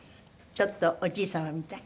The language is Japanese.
ちょっとおじい様みたい？